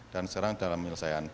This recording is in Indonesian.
dan sekarang dalam penyelesaian